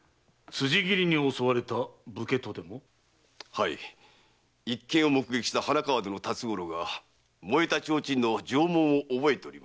はい一件を目撃した花川戸の辰五郎が燃えた提灯の定紋を覚えておりました。